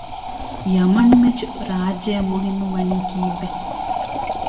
ޔަމަން މެޗު ރާއްޖެ އަށް މުހިއްމުވަނީ ކީއްވެ؟